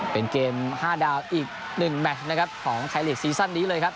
เป็นเกม๕ดาวอีก๑แมชนะครับของไทยลีกซีซั่นนี้เลยครับ